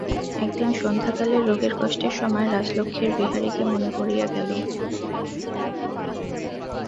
একদিন সন্ধ্যাকালে রোগের কষ্টের সময় রাজলক্ষ্মীর বিহারীকে মনে পড়িয়া গেল।